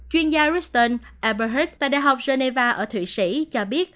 chuyên gia ruston eberhardt tại đại học geneva ở thụy sĩ cho biết